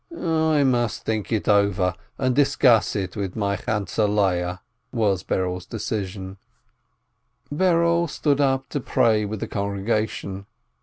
"I must first think it over, and discuss it with my Chantzeh Leah," was Berel's decision. Berel stood up to pray with the congregation.